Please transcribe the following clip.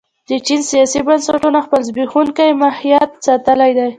د چین سیاسي بنسټونو خپل زبېښونکی ماهیت ساتلی دی.